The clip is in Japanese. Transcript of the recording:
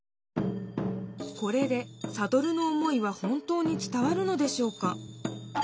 これでサトルの思いは本当に伝わるのでしょうか？